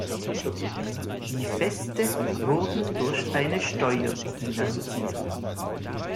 Die Feste wurden durch eine Steuer finanziert.